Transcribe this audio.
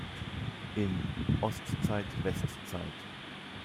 In "Ostzeit-Westzeit.